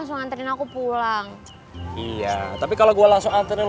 biar kayak orang pacaran